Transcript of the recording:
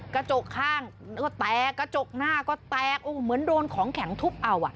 กระจกข้างก็แตกกระจกหน้าก็แตกเหมือนโดนของแข็งทุบเอา